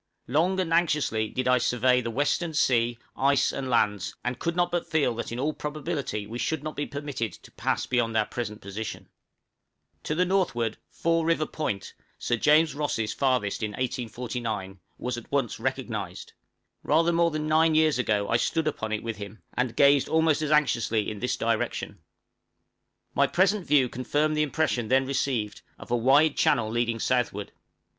Long and anxiously did I survey the western sea, ice, and lands, and could not but feel that in all probability we should not be permitted to pass beyond our present position. [Illustration: M'Clintock in his Boat sailing through Bellot Strait.] {FOUR RIVER POINT.} To the northward Four River Point Sir James Ross' farthest in 1849 was at once recognized; rather more than nine years ago I stood upon it with him, and gazed almost as anxiously in this direction! My present view confirmed the impression then received, of a wide channel leading southward.